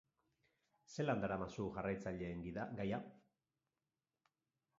Zelan daramazu jarraitzaileen gaia?